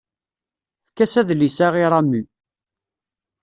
Efk-as adlis-a i Ramu.